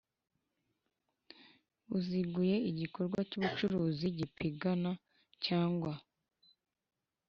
Buziguye igikorwa cy ubucuruzi gipigana cyangwa